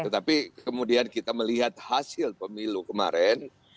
tetapi kemudian kita melihat hasil pemilu kemarin